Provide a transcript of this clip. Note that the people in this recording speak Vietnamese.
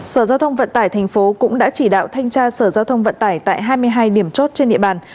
sở giao thông vận tải thành phố cũng đã chỉ đạo thanh tra sở giao thông vận tải tại hai mươi hai điểm chốt trên địa bàn